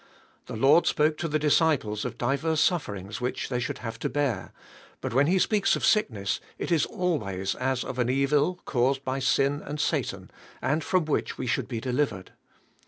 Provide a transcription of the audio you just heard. The Lord spoke to the disciples of divers sufferings which they should have to beat, but when He speaks of sickness, it is al uj ways as ol an evil caused by sin and Sa tan, and from which we should be deliv ered.